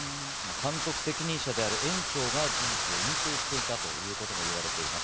監督責任者である園長が事実を隠蔽していたということも言われています。